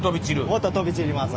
もっと飛び散ります。